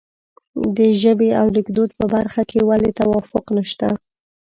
د ژبې او لیکدود په برخه کې ولې توافق نشته.